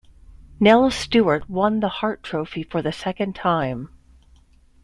Nels Stewart won the Hart Trophy for the second time.